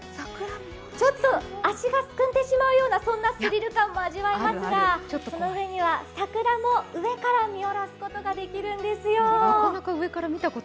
足がすくんでしまうようなスリル感も味わえますがその上には桜も上から見下ろすことができるんですよ。